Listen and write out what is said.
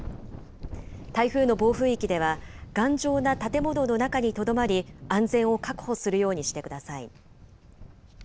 台風の暴風域では、頑丈な建物の中にとどまり、安全を確保するようにしてください。